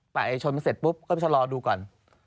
ชนเสร็จปุ๊บก็ไปชะลอดูก่อน